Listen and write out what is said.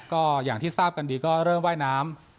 ก็อย่างที่ทราบกันดีก็เริ่มว่ายน้ำ